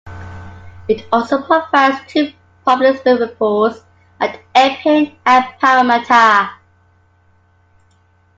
It also provides two public swimming pools at Epping and Parramatta.